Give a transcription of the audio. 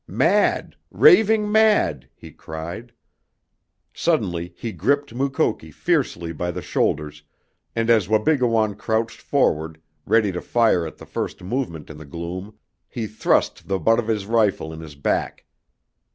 "Mad, raving mad!" he cried. Suddenly he gripped Mukoki fiercely by the shoulders, and as Wabigoon crouched forward, ready to fire at the first movement in the gloom, he thrust the butt of his rifle in his back.